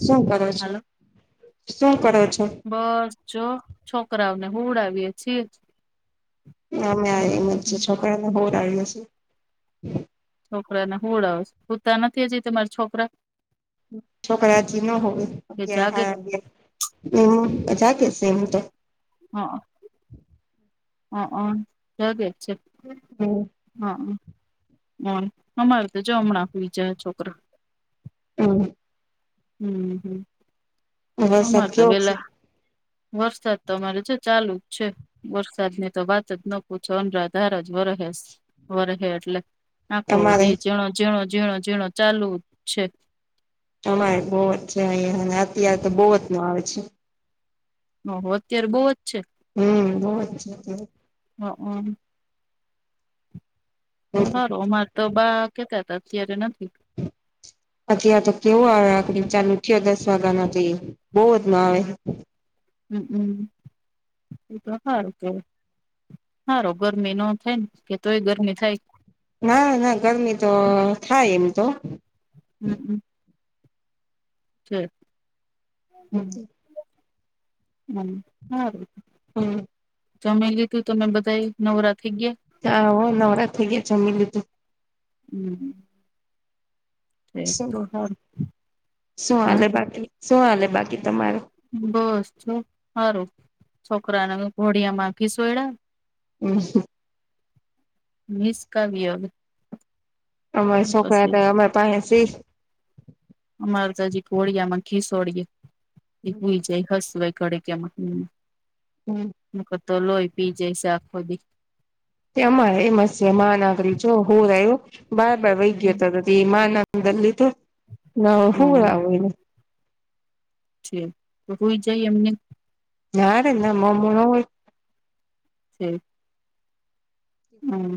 શું કરો છો હાલો શું કરો છો બસ- - જો છોકરાઓને હુંવડાવીએ છીએ. ના ના એમ જ છોકરાને હુવરાવીએ છીએ. છોકરાને હુંડાવશ હુંતા નથી હજી તમારા છોકરા? છોકરા હજી ન સુવે કે અગિયાર જાગે સાડાઅગિયાર [unintelligible] એ જાગે છે હ હઅ જાગે છે. હમ. હ અમારે તો જો હમણા હુઇ જાશે છોકરા. હમ. હમ હમ વરસાદ અમારતો કેવો છે વેલા વરસાદ અમારે જો ચાલુ જ છે વરસાદ ની તો વાત જ ન પૂછો અનરાધાર જ વરહે સે વરહે એટલે આખો તમારે દી ઝીણો ઝીણો ઝીણો ઝીણો ચાલુ જ છે અમારે બોઅજ છે અહીં અને અત્યારે તો બોવજ નો આવે છે ઓહો અત્યારે બહુ જ છે હમ બઉ જ છે અત્યારે હઅ તો સારું અમારે તો બા કેતા તા અત્યારે નથી અત્યારે તો કેવો આવે આખોડી ચાલુ થયો દસ વાગા નો તો બોજ નો આવે હઅ એ તો સારુ કેવા સારુ ગરમી ન થાય ને કે તોય ગરમી થાય ના ના ગરમી તો થાય એમ તો હમ હમ ઠેક હઅ હમ સારું હમ્મ. તોમે કીધું તમે બધા નવરા થઈ ગયા હા હો નવરા થઈ ગયા જમી લીધું હમ્મ. શું હારું શું હા હાલે બાકી શું હાલે બાકી તમારુ બસ છું સારું છોકરાને ઘોડિયા માખી શું એડા હમ્મ હમ્મ. નિસ કર વિયોગ અમારે છોકરા હતા અમે પાસે સીખ અમારે તોજી કોડિયામાં ઘિસોડીય એ હોઈ જાય હસય ઘડિક કેમાં હમ્મ. મુ તો લોહી પી જે છે આખો દી તેમાં એમસ મહા નાગરી જોઓ પૂર આયવુ બાર વૈ ગયો હતો. વિમાન દલ તો હું હમ આવું એને છે તો હોય જાય એમને નારે ના મોમ હોય છે. હમ્મ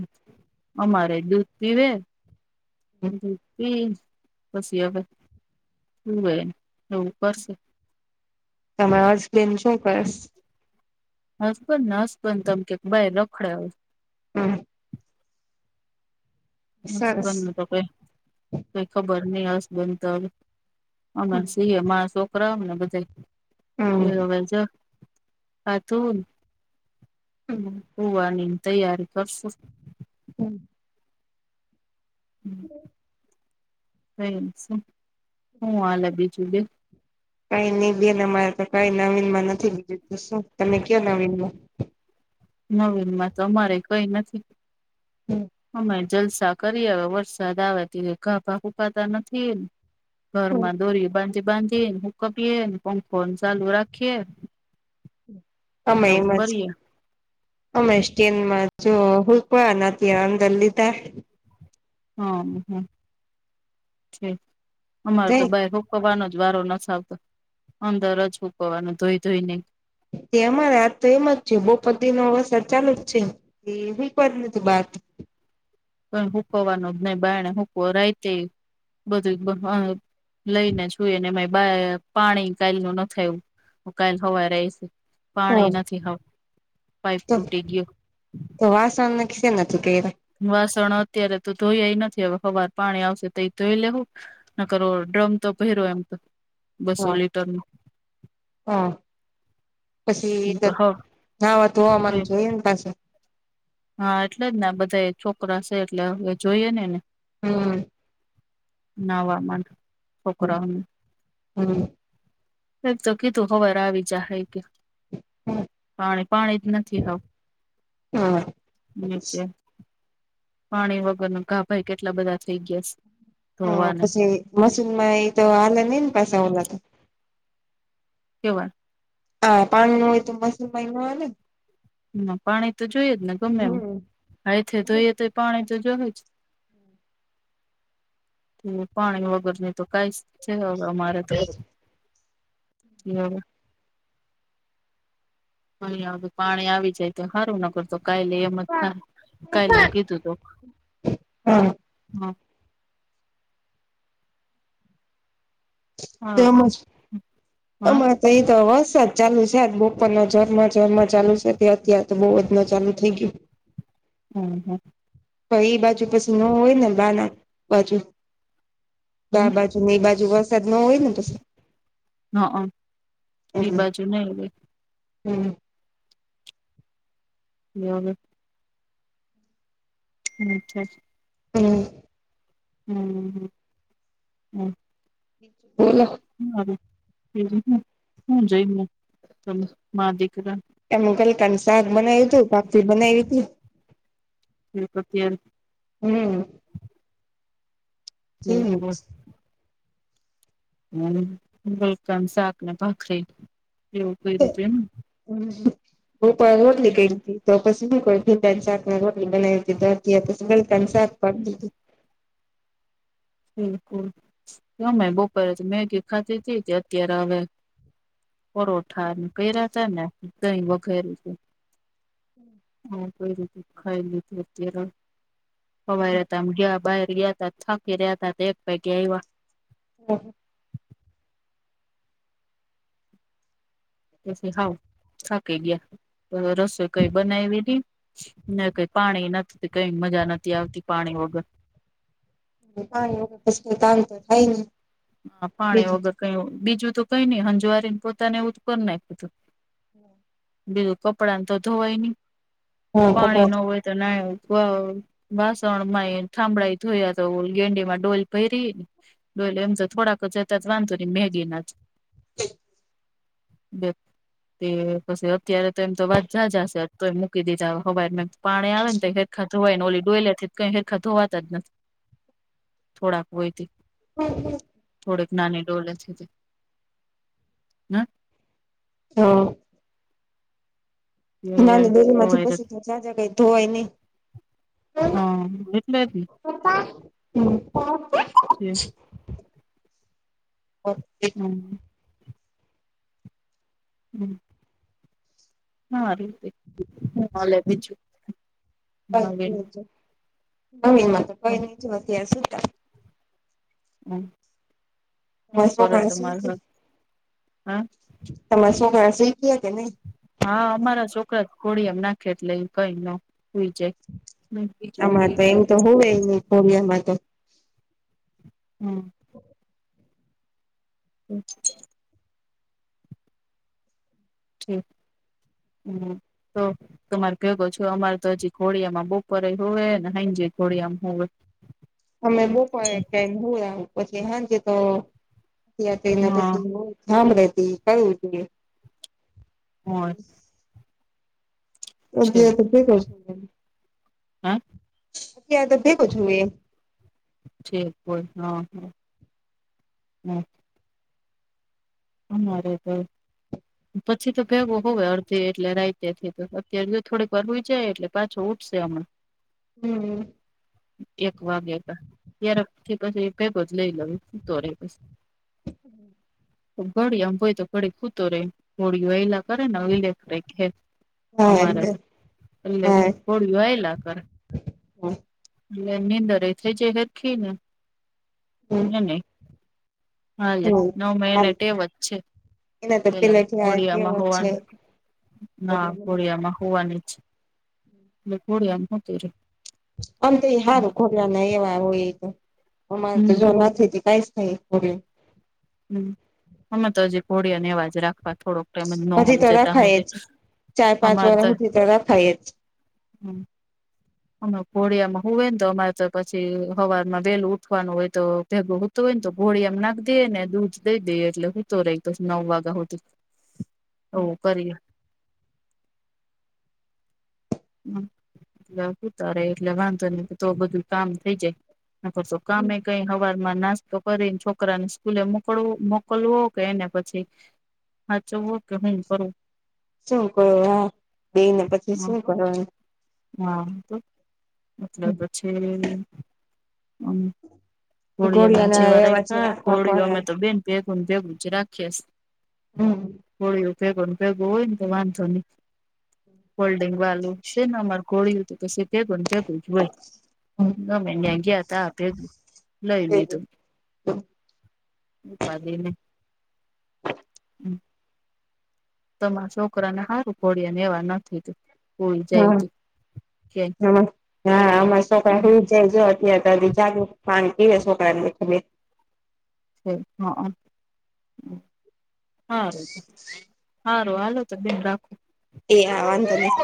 અમારે દૂધ પીવે દૂધ પી પછી હવે શુંવે એવું કરશે. તમાર હસ બેન શું કરેશ. હસબન્ડ ને હસબન તમ કેઈ રખડશે હા. સરસ હસબન તો કઈ કઈ ખબર નઈ હસ બેન તો અમે સિંહ મારા છોકરા આવને બધા એ હમ હવે જ હા તું હુંવાની તૈયારી કરશું. હમ્મ. [inaudible] હું હાલ બીજું કે કાઈ નહી બેન અ મારે તો કઈ નવીન માં નથી બીજું શું તમે કયો નવીનમાં નવીન માં તો અમારે કઈ નથી અમે જલસા કરી આવે વરસાદ આવે તે ગાભા હુકાતા નથી એ ઘરમાં દોરી બાંધ બાંધીએ હુંકાવીએ પંખોને ચાલુ રાખીએ ને અમે એવું એમ જ કરીએ અમે એસ્ટેન મા છું હુકવા અંદર લીધા હ હમ્મ છે અમાર તો જાય બાય [unintelligible] [unintelligible] વાનો જ વારો નથી આવતો અંદર જ હુંકાવવાનો ધોઈ ધોઈ ને તે અમારે આજ તો એમ જ થીયું બપોરથી નો વરસાદ ચાલુ જ છે. એ હું [unintelligible] ને તું બાત કઈ હૂકવવાનો નહી બારને હૂકવે રાયતે બધું એ [unintelligible] લઈને સુએ ને એમાંય બા પાણી કાઇ નુ નથ આયવું. હુંકાલે હવારે આયિશે હા પાણી નથી હાવ પાઈપ તો તૂટી ગયો. તો વાસન સેનાથી કઈરા. વાસણ અત્યારે તો ધોયાય નથી હવે હવાર પાણી આવશે તો એ ધોઈ લેહું નકર ડ્રમ તો ભયરો એમ તો બસો હા લીટર નું હા પછી હ નાવા ધોવામાં જોઈએ ન પાસે હા એટલે જ ને બધાયે છોકરા સે એટલે હવે જોઈએ ને એને હમ્મ. નાવામા હમ કપડા હમ તાણ જગી તો હવારે આવી જાહે એ પાણી પાણી જ નથી આવ હા નીચે પાણી વગર નુ ગાભાઈ કેટલા બધા થઈ ગયા છે. હા, ધોવાને પસી મશીનમાંય તો આલે નહી ને પાસા ઓલા તો. કેવાય. આ પાણી ન હોય તો મશીન માંય ન હાલે ન? હ, પાણી તો જોઈએ જ ને ગમે એમ હમ હાયથે ધોઈએ તો પાણી તો જોહે જ, પાણી વગરની તો કઈજ છે હવે અમારે તો, પીવામાં. પાણી આવી જાય તો હાંરું ન કરતો કાયલે એમ જ હા થાહે. કાઈલ નું કીધું તુ હ. હ તેમજ તમારે અહિં તો વરસાદ જ ચાલુ છે આજ બપોરના જરમર જરમર ચાલુ છે. ત્યારથી આતો બહુ જ ન ચાલુ થઈ ગયું. હમ હ. તો ઇ બાજુ પસી ન હોય ને બા ના બાજુ બા હ બાજુ, ને એ બાજુ. જો વરસાદ ના હોય ને પસી હ અ ઈ હમ બાજુ નહી હોય. હમ. [unintelligible] [unintelligible] હમ. હમ હમ. બોલો. હું હવે [unintelligible] હું જઈમુ તમેં માં દીકરા. એનું ગલકાનું શાક બનાવ્યું તું બાખરી બનાયવી તી. [unintelligible] હમ. [unintelligible] હમ ગલકા નું શાકને ભાખરી, એવું કઈરું તુ એમ ને. હ, ઉપર રોટલી કયરી તી. તો પસી હું કરું ભીંડા નું શાક રોટલી બનાવી ધીતી પછી ગલકા નું શાક પાપડી નું બિલકુલ ગમે બપોરે મેગી ખાતી તી અત્યારે આવે. પરોઠા કયરા તા ને દહી વઘાયરુ તુ. હા કોઈ રું તુ. ખાઈ લીધું અત્યારે હવાઈ હતામ ગ્યા બહાર ગયા તા થક કર્યા તા એક પૈકી એવા. હા [inaudible] પછી હાવ થાકી ગયા તો રસોઈ કઈ બનાવીની. ના કઈ પાણી નથી કઈ મજા નથી આવતી પાણી વગર. ક તામ તો થાય ને. હ પાણી વગર કઈ બીજું તો કઈ નઈ હંજવારીને પોતાને એવુંપ નાખીધું. બીજું કપડાને તો ધોવાય નહી, હા પાણી કપડા ન હોય. તો નાવ ક વાસણ માં એ થાંભળાઈ ધોયા તો ગેંડી માં ડોલ પરી, ને ડોલ એમ તો થોડાક જતા વાંધો રને મેગીના જ હ [inaudible] બ [unintelligible] તે પછી અત્યારે તો એમ તો વાા જ હશે તો એ મૂકી દીજા, હવા પાણી આવે ને ખધવાય ને ઓલી ડોયલા થી કઈ ફેરખા ધોવાતા જ નથી, થોડાક હોયથી. હમ હમ [inaudible] થોડીક નાની ડોલે છે તે, હમ. હ. નાની દોરી માંથી હવારે પછી તો જં જ કઈ ધોવાય નહી. મેબી હમ હમ હા ર હું હલે છું જમીન માં તો કઈ છેતાર સુધ હમ હમ તમારા કોરો છોકરા તો મા હમ તમારે સો શીખ કે નહી હા અમારા છોકરા કોડી એમ નાખે એટલે કઈ નઈ જાય બીજું આમાં હુઈ તો એમ ગયો તો હોવે કોલિયામાં તો હમ [inaudible] હમ ઠી હમ તો તમારે કો છો અમારે તો હજી ઘોડિયામાં બપોરેય હોય ને હ જે ઘોડિયામાં હો અમે બોપોર એક ટાઈમ જો આવ પછી હાંજ તોને પછી હા હભળતી કરું જોઈ હોય હ છે જીતી કર છો હા ત્યા તો ભેગો છું એ છે કોઈહા હમ અમારે તો પછી તો ભેગો હોય અડધી એટલે રાાયતે થી તો અત્યારે જો થોડીક વાર રઈ જાય એટલે પાછો ઉઠ છે હમણા હમ એક વાગે હતા તાર પછીે જ લઈ લઉ તો રે [inaudible] ઘડી આમ હોય તો ઘડી ખૂતો રહેે ગળિ એલા કરે ને લે કરેે હા અમારે તો એટલે હા કોળિયો આયલા કર હા એટલે એની અંદર એ થઈ જાય હખી એ ને હાલે હમ. નવ મહિને ટેવ જ છે એના તો પેલા પેલેથી આ હોડિયામાં કહેવત છે હોવાનું ના હોડિયામાં હોવાની જ એ કોડી અનકતી અ તો હારું ખોરવાના એવા હોય તો અરે તો જો હમ નથી કઈ થાય. હવે હમ અમે તો હજી ઘોડિયાને એવાજ રાખવા થોડોક. ઘોડિયું તેમનો હજી તો જતા રખાય હોતી જ ચાર પાંચ અમાર વર્ષ તો સુધી રખાય જ હ અમે ઘોડિયામાં હો હોય ને તો અમારે તો પછી હવામાં વેલું ઉઠવાનું હોય તો ભેગું. તોય ને તો ઘોળિયામ નાખી દઈએ ને દૂધ દઈ દઈએ એટલે હું તો રહી તો નવ વાગ્યા હુધી. ઓ કરીએ. એટલે ઉતારે એટલે વાંધો ને તો બધું કામ થઇ જાય ન કરર તો. કામે. કઈ હવારમાં નાસ્તો કરીને છોકરાને સ્કૂલે મોકલવું મોકલવું કે એને પછી હા ચું ઓકે હું કરું. શું કરો હા બેઈને પછી હા શું કરવાો. હા તો એટલે પછી. મ કોળિયા ના ઘોડિયાના જેવા એવા છે રાખા રાખવા કોળિયો અમે પડે તો બેન ભેગ ભેગું જ રાખીશ હોય. ભેગો ભેગો હોય ને તો વાંધો નહી ફલ્ડિંગ વાલું છે ને અમાર ગોળી તો પછી પણ હોય. ગમે ન્યા ગયા હતા આપે લઈ લીધું. ઉપાધિને તમારા છોકરાને હારુ [unintelligible] એવા નથી. કોઈ જાય હા તો હા આ [unintelligible] ક્યાંય [unintelligible] અત્યારે જો જાગે પાણી પીવે [inaudible] તે હા. હારુ હારુ હાલો તો બેન રાખો. એ હા વાંધ નહીં.